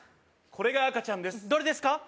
これが赤ちゃんですどれですか？